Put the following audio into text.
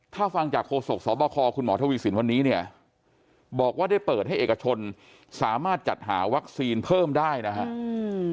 ถ้าฟังจากโฆษกสบคคุณหมอทวีสินวันนี้เนี่ยบอกว่าได้เปิดให้เอกชนสามารถจัดหาวัคซีนเพิ่มได้นะครับ